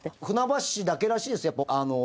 船橋市だけらしいですよ